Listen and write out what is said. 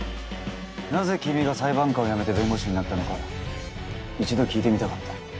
なぜ君が裁判官を辞めて弁護士になったのか一度聞いてみたかった。